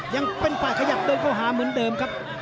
ยังเป็นฝ่ายขยับเดินเข้าหาเหมือนเดิมครับ